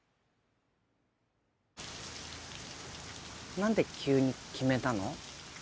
なんで急に決めたの？